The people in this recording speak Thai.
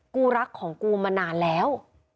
กูรักของกูมานานแล้ว